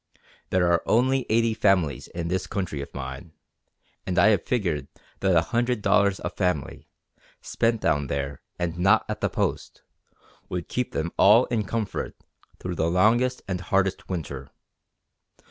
There are only eighty families in this country of mine, and I have figured that a hundred dollars a family, spent down there and not at the Post, would keep them all in comfort through the longest and hardest winter.